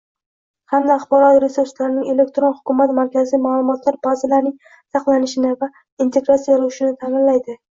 hamda axborot resurslarining, elektron hukumat markaziy ma’lumotlar bazalarining saqlanishini va integratsiyalashuvini ta’minlaydi.